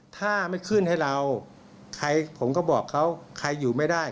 ถ้าไม่ขึ้นให้เราใครผมก็บอกเขาใครอยู่ไม่ได้